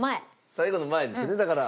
最後の前ですねだから。